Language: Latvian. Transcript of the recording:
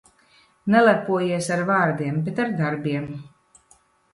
Nelepojies ar vārdiem, bet ar darbiem.